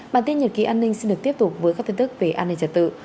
bản tin nhật ký an ninh xin được tiếp tục với các tin tức về an ninh trật tự